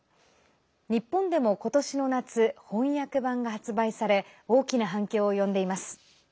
日本でも今年の夏翻訳版が発売され大きな反響を呼んでいます。